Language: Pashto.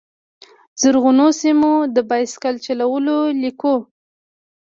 زرغونو سیمو، د بایسکل چلولو لیکو